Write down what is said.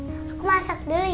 aku masak dulu ya